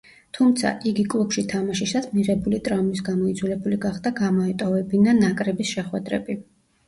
თუმცა, იგი კლუბში თამაშისას მიღებული ტრამვის გამო იძულებული გახდა გამოეტოვებინა ნაკრების შეხვედრები.